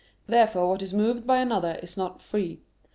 Therefore what is moved by another is not free.